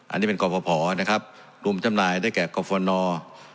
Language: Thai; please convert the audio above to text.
อันนี้เป็นกรอบพอนะครับกลุ่มจำนายได้แก่กรอบฟอร์นอร์